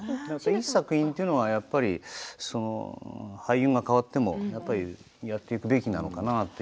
いい作品というのは俳優が変わってもやっぱりやっていくべきなのかな。